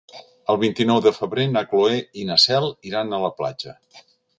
El vint-i-nou de febrer na Cloè i na Cel iran a la platja.